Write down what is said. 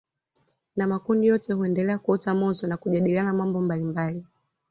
Na makundi yote huendelea kuota moto na kujadiliana mambo mbalimbali